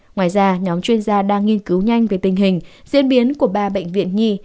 ngoài ra nhóm chuyên gia đang nghiên cứu nhanh về tình hình diễn biến của ba bệnh viện nhi